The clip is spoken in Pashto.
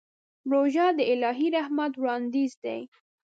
روژه د الهي رحمت وړاندیز دی.